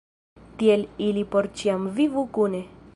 Tiel ili por ĉiam vivu kune.